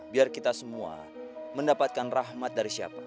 biar kita semua mendapatkan rahmat dari siapa